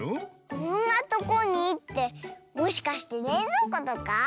こんなとこにってもしかしてれいぞうことか？